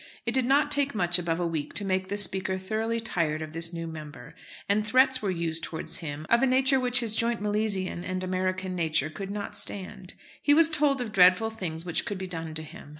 It did not take much above a week to make the Speaker thoroughly tired of this new member, and threats were used towards him of a nature which his joint Milesian and American nature could not stand. He was told of dreadful things which could be done to him.